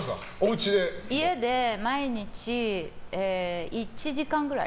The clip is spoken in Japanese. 家で毎日１時間ぐらい。